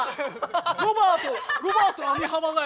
ロバートロバート網浜だよ。